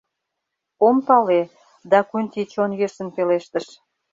— Ом пале, — Дакунти чон йӧсын пелештыш.